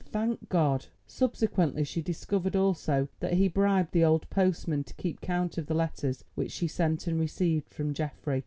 thank God!" Subsequently she discovered also that he bribed the old postman to keep count of the letters which she sent and received from Geoffrey.